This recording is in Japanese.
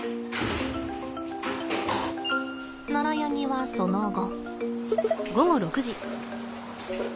ナラヤニはその後。